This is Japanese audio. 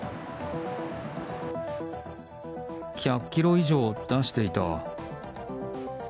１００キロ以上出していた。